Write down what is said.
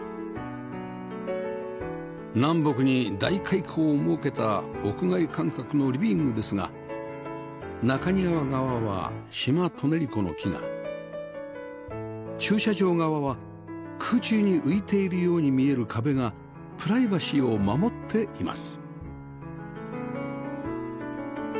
南北に大開口を設けた屋外感覚のリビングですが中庭側はシマトネリコの木が駐車場側は空中に浮いているように見える壁がプライバシーを守っています